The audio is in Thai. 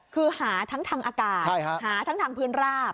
คือหาทั้งทางอากาศหาทั้งทางพื้นราบ